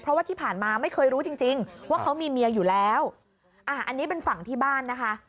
เพราะว่าที่ผ่านมาไม่เคยรู้จริงจริงว่าเขามีเมียอยู่แล้วอ่าอันนี้เป็นฝั่งที่บ้านนะคะ